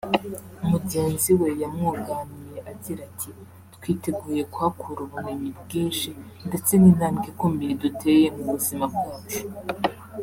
Mugenzi we yamwuganiye agira ati “Twiteguye kuhakura ubumenyi bwinshi ndetse ni intambwe ikomeye duteye mu buzima bwacu”